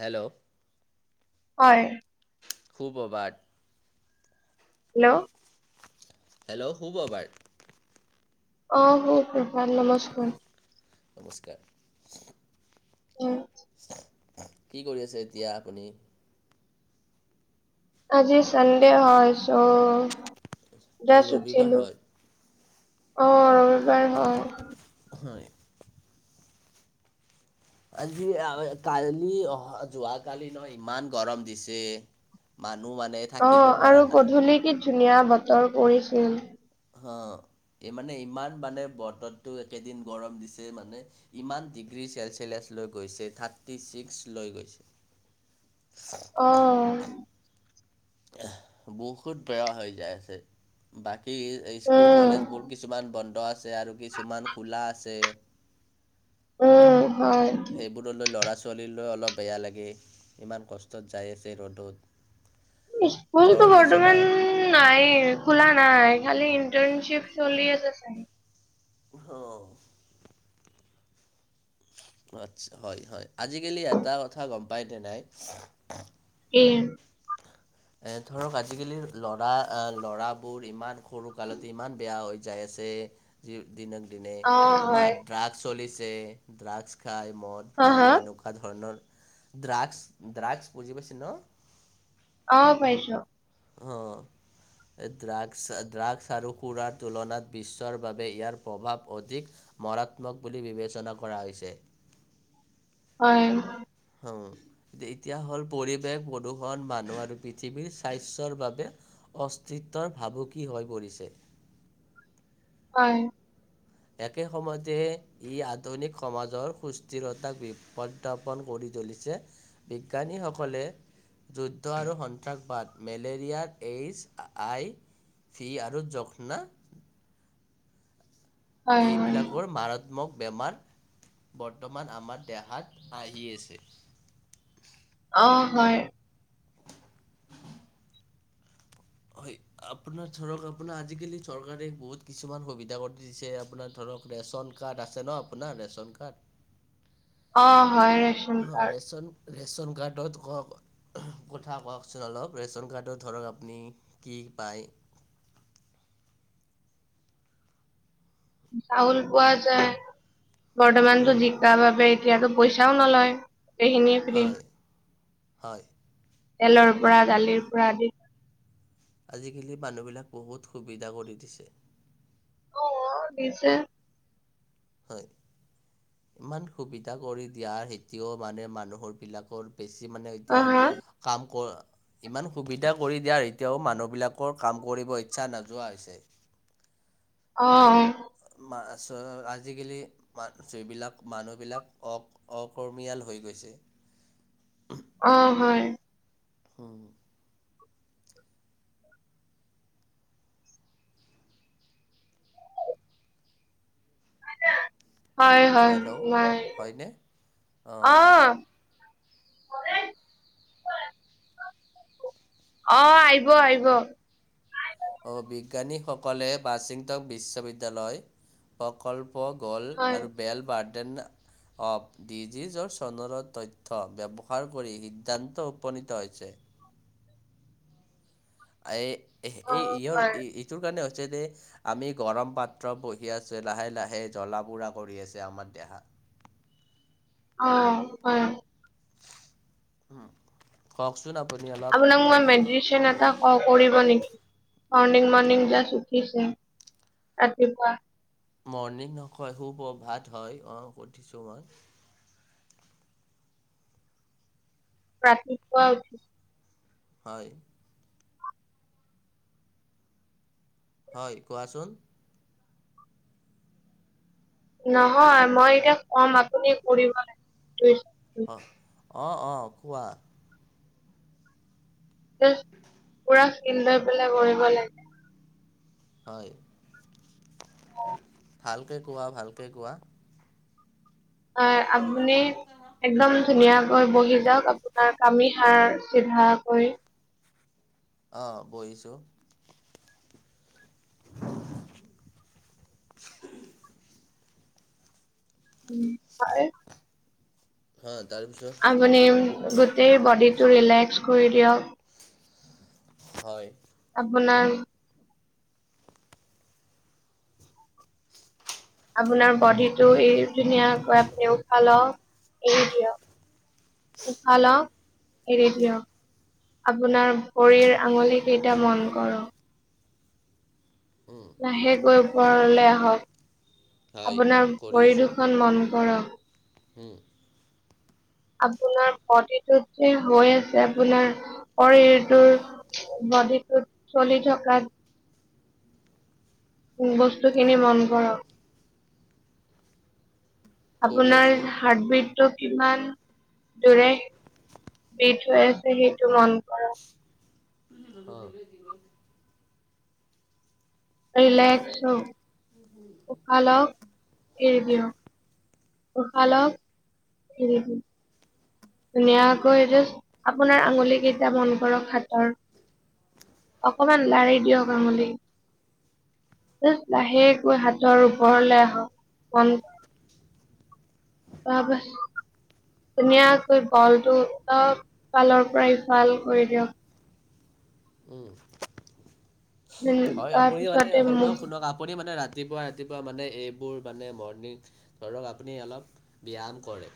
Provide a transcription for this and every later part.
Hello, হয়। সু - প্ৰভাত। হেল্ল', হেল্ল' সু - প্ৰভাত। অহ সু - প্ৰভাত নমস্কাৰ। নমস্কাৰ। উম। কি কৰি আছে এতিয়া আপুনি আজি চানডে হয় আজি ৰবিবাৰ হয় অহ ৰবিবাৰ হয় হয় আজি আৰু কালি অহা যোৱাকালি নহয় ইমান গৰম দিছে [inaudible] থাকিব অ', পৰা আৰু নাই গধূলি কি ধুনীয়া বতৰ কৰিছিল। অহ এই মানে ইমান মানে বতৰতটো একেদিন গৰম দিছে মানে ইমান ডিগ্ৰী থাৰ্টি ছেলচিলিয়াছ লৈ গৈ থাৰ্টি ছিক্স লৈ গৈছে অহ বহুত বেয়া হৈ যাই আছে বাকী কি স্কুল উম কলেজ বোৰ কিছুমান বন্ধ আছে আৰু কিছুমান খোলা আছে উম হয় সেইবোৰলৈ ল'ৰা ছোৱালীলৈ অলপ বেয়া লাগে ইমান কষ্টত যায় আছে ৰ'দত স্কুলতো ধৰ বৰ্তমান কিছুমান নাই খোলা নাই খালি ইণ্টাৰ্নশিপ চলি আছে চাগে অহ আচ্ছা হয় হয় আজিকালি এটা কথা গম পাই নে নাই উৰ এ ধৰক আজিকালি ল'ৰা ল'ৰাবোৰ ইমান সৰু কালতে ইমান বেয়া হৈ যায় আছে যে যি দিনক দিনে অ দিনে তোমাৰ হয় ড্ৰাগছ চলিছে ড্ৰাগছ খাই মদ হা ভাং হা এনেকুৱা ধৰণৰ ড্ৰাগছ ড্ৰাগছ বুজি পাইছে ন অহ পাইছো অহ ড্ৰাগছ ড্ৰাগছ আৰু সুৰাৰ তুলনাত বিশ্বৰ বাবে ইয়াৰ প্ৰভাৱ অধিক মাৰাত্মক বুলি বিবেচনা কৰা হৈছে। অ'। হুম, এতিয়া হ'ল পৰিৱেশ, প্ৰদূষণ, মানুহ আৰু পৃথিৱীৰ স্বাস্থ্যৰ বাবে অস্তিত্বৰ ভাবুকি হৈ পৰিছে। হয়। একে সময়তে ই আধুনিক সমাজৰ সুস্থিৰতাক বিপঢাপন কৰি জ্বলিছে, বিজ্ঞানীসকলে যুদ্ধ আৰু সন্ত্ৰাসবাদ মেলেৰিয়াৰ এইচ আই ফি আৰু যক্ষ্না হয় হয় এইবিলাকৰ মাৰাত্মক বেমাৰ বৰ্তমান আমাৰ দেহাত আহি আছে। অ', হয়। হয়। আপোনাৰ ধৰক আপোনাৰ আজিকালি চৰকাৰে বহুত কিছুমান সুবিধা কৰি দিছে আপোনাৰ ধৰক ধৰক ৰেচন কাৰ্ড আছে ন আপোনাৰ ৰেচন কাৰ্ড? অ', হয় ৰেচন অ কাৰ্ড। ৰেচন ৰেচন কাৰ্ডত কওক কথা কওকচোন অলপ, ৰেচন কাৰ্ডত ধৰক আপুনি কি পায়। চউল পোৱা যায়, বৰ্তমানতো হুম, জিকা বাবোপ এতিয়াতো পইচাও নলয়, গোটেইখিনিয়ে ফি হয় হয়। তেলৰ পৰা দালিৰ পৰা আদি আজিকালি মানুহবিলাক বহুত সুবিধা কৰি দিছে। অ', দিছে। হয়, ইমান সুবিধা কৰি দিয়াৰ হেতিও মানে মানুহৰ বিলাকৰ বেছি মানে অ এতিয়া হা কাম কৰ ইমান সুবিধা কৰি দিয়াৰ এতিয়াওঁ মানুহবিলাকৰ কাম কৰিব ইচ্ছা নোযোৱা হৈছে। [inaudible] অ'। আজিকালি ম যিবিলাক মানুহবিলাক অ-অকৰ্মীয়াল হৈ গৈছে। [inaudible] অ হয় অ'। হয়, হয়, হেল্ল' মই, হয়নে? অ? অঁ অ', আহিব-আহিব। অ', বিজ্ঞানীসকলে ৱাশ্বিংটন বিশ্ববিদ্যালয় প্ৰকল প' গ'ল হয় আৰু বেল বাৰ্ডেন অব ডিজিজৰ চনৰ তথ্য ব্যৱহাৰ কৰি সিদ্ধান্ত উপনীত হৈছে। অ এ-এই ইয়ৰ হয় ইটোৰ কাৰণে হৈছে আমি গৰম পাত্ৰ বহি আছোঁ লাহে-লাহে জলা বুৰা কৰি আছে আমাৰ দেহা। অ', হয়। উম, কওঁক আপোনাক মই মেডিটেচনৰ এটা কওঁ, কৰিব নেকি? মৰ্ণিং-মৰ্ণিং যাছ উঠিছে, ৰাতিপুৱা। মৰ্ণিং নকয় সুপ্ৰভাত হয়, অ', সুধিছো মই। [unintelligible] হয়। হয় কোৱাচোন? নহয় মই এতিয়া কম আপুনি কৰিব লাগে। অ', অ', কোৱা। পুৰা ফিল লৈ পেলাই কৰিব লাগে। হয়। অ। ভালকে কোৱা ভালকে কোৱা। অ আপুনি একদম ধুনীয়া। হয় বহি যাওঁক আপোনাৰ কামি সাৰ চিধা কৰি অহ বহিছোঁ। [unintelligible] উম হয়। হ'ল। আপুনি গোটেই বডিটো ৰিলেক্স কৰি দিয়ক। হয়। আপোনাৰ। আপোনাৰ বডিটো এই ধুনীয়াকৈ আপুনি উশা লক এৰি দিয়ক। উশাহ লওঁক এৰি দিয়ক। আপোনাৰ ভৰিৰ আঙুলি কেইটা মন কৰক। লাহে কৈ ওপৰলে আহক। হয় আপোনাৰ ভৰি দুখন মন কৰক। হোম আপোনাৰ প্ৰতিটোত যে হৈ আছে আপোনাৰ শৰীৰটোৰ। নদিটোত চলি থকা- বস্তুখিনি মন কৰক। কৰি আপোনাৰ আছোঁ হাৰ্টবিটটো ইমান জুৰে বিশ হৈ আছে সেইটো মন কৰক। [unintelligible] ৰিলেক্স হ উশাহ লওক এৰি দিয়ক। উশাহ লওক এৰি দিয়ক। ধুনীয়াকৈ আপোনাৰ আঙুলি কেইটা মন কৰক হাতৰ অকণমান লাৰি দিয়ক আঙুলি, লাহেকৈ হাতৰ ওপৰলৈ আহক মন কৰক অবশ্য ধুনীয়াকৈ বলটো চব ফালৰ পৰাই ইফাল কৰি দিয়ক। উম। উম, হয় আপুনি মানে তাৰপিছতে সৰু মোক ল'ৰাক শুনক আপুনি মানে ৰাত- ৰাতিপুৱা ৰাতিপুৱা মানে এইবোৰ মানে মৰ্ণিং ধৰক আপুনি অলপ ব্যায়াম কৰে,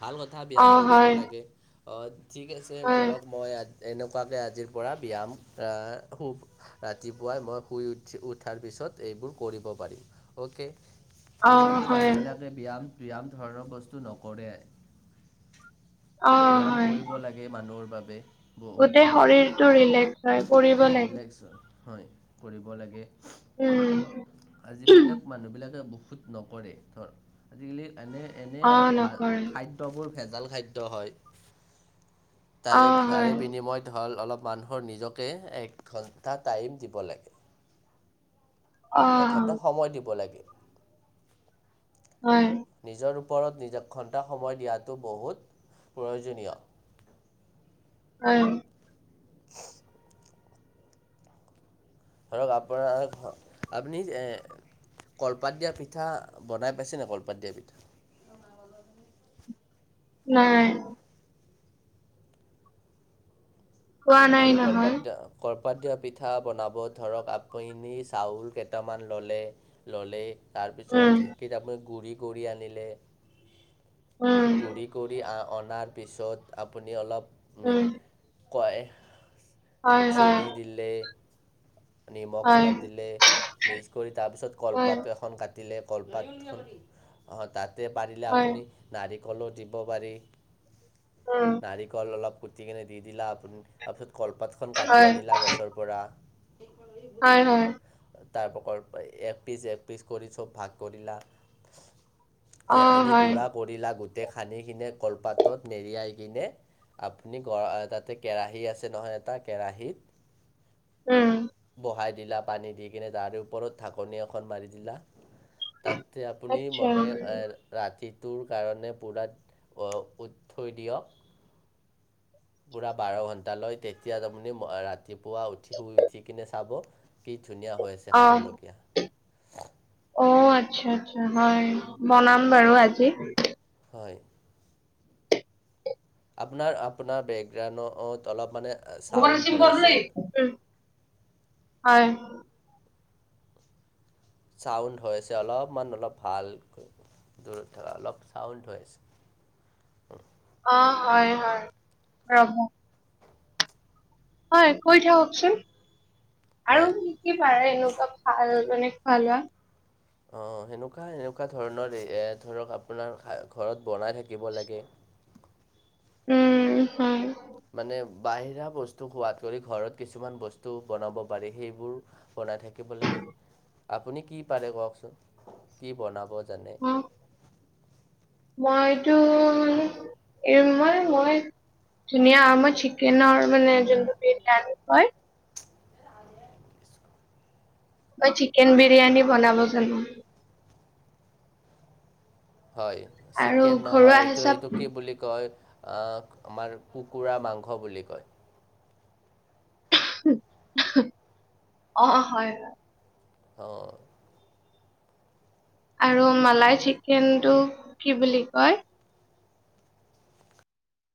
ভাল কথা ব্যায়াম অ' কৰিব হয়, লাগে ঠিক আছে হয়, ধৰক মই আজ- এনেকুৱাকে আজিৰ পৰা ব্যায়াম আ হু আ ৰাতিপুৱাই মই শুই উঠি উঠাৰ পিছত এইবোৰ কৰিব পাৰিম অকে। অ' আজিকালি হয়। মানুহবিলাকে ব্যায়াম ব্যায়াম ধৰণৰ বস্তু নকৰে। অ' ব্যায়াম হয়, কৰিব লাগে মানুহৰ বাবে। বহুত গোটেই ভাল শৰীৰটো ৰিলেক্স হয় কৰিব লাগে। ৰিলেক্স হয় কৰিব লাগে উম, আ যিবিলাক মানুহ বিলাকে বহু নকৰে ধৰ আজিকালি এনে এনে অ' ভাল নকৰে, খাদ্যবোৰ ভেজাল খাদ্য হয়। তাৰে অ' তাৰে হয়, বিনিময়ত হ'ল অলপ মানুহৰ নিজকে এক ঘণ্টা টাইম দিব লাগে। অ' হয়, এঘন্টা সময় দিব লাগে, হয়, নিজৰ ওপৰত নিজে ঘণ্টা সময় দিয়াটো বহুত প্ৰয়োজনীয়, হয় [unintelligible] [inaudible] ধৰক আপোনাৰ আপুনি যে, কলপাত দিয়া পিঠা বনাই পাইছে ন কলপাত দিয়া পিঠা? নাই। কোৱা নাই নহয়। পাত দিয়া পিঠা বনাব ধৰক আপুনি চাউল কেইটামান ল'লে ল'লেই উম, তাৰপিছত ধেকীত আপুনি গুড়ি কৰি আনিলে উম, গু়ড়ি কৰি অনাৰ পিছত আপুনি অলপ উম, কয়, হয়, হয়, চেনি দিলে, নিমখ হয়, অলপ দিলে, মিক্স কৰি তাৰপিছত হয়, কলপাতটো এখন কাটি কলপাত অ তাতে পাৰিলে হয়, আপুনি নাৰিকলো দিব পাৰি উম, নাৰিকল অলপ কোটি কেনে দিদিলে, কলপাতখন কাটি হয়, আনিলা গছৰ পৰা হয়, হয়, তাৰ প্ৰ এ পিচ এ পিচ কৰি চব ভাগ কৰিলা। [unintelligible] অ' লেহেনি হয়, গুৰা কৰিলা গ ততে খান্দি কিনে কলপাতত নেৰিয়াই কিনে আপুনি গ তাতে কেৰাহী আছে ছে নহয় এটা কেৰাহীত, উম! বহাই দিলা পানী দি কিনে তাৰে ওপৰত ঢাকনি এখন মাৰি দিলা, তাত আপুনি আচ্ছা মনে এ ৰাতিত তটোৰ কাৰণে পুৰাত থৈ দিয়ক পুৰা বাৰ টালয় তেতিয়া তুপনি ৰাতিপুৱা উঠি শুই উঠি কিনে চাব, [unintelligible] কি ধুনীয়া হৈ আছে অহ খাবলগীয়া অ আচ্ছা আচ্ছা হয় বনাম বাৰু আজি হয় আপোনাৰ আপোনাৰ বেকগ্ৰাউণ্ড [unintelligible] অলপ মানে ভগৱান চাউণ্ড সিম হৈ পলে আছে হয় [unintelligible] [unintelligible] চাউণ্ড আ হৈছে অলপমান অলপ ভালকৈ [unintelligible] দূৰত থকা অলপ চাউণ্ড হৈ আছে অ হয় হয় ৰব হয় কৈ থাককচোন আৰু হয় কি কি বাৰে এনেকুৱা ভাল অনেক ভাল [unintelligible] অ সেনেকুৱা সেনেকুৱা ধৰণৰ এ ধৰক আপোনাৰ ঘৰত [unintelligible] বনাই থাকিব লাগে উম হয় মানে বাহিৰা বস্তু সোৱাদ কৰি ঘৰত কিছুমান বস্তু বনাব পাৰি সেইবোৰ বনাই থ থাকিব লাগে আপুনি কি পাৰে কওকচোন কি বনাব জানে মইটো এ মই মই ধুনিয়া আমাৰ চিকেনৰ আৰু মানে যোনটো বিৰিয়ানী হয় [unintelligible] মই চিকেন বিৰিয়ানী বনাব জানো হয় আৰু চিকেন ঘৰুৱা নহয় এইটো হিচাপ এইটো কি বুলি কয় আমাৰ কুকুৰা মাংস বুলি কয় অ হয় হয় [unintelligible] অ আৰু মালাই চিকেনটো কি বুলি কয়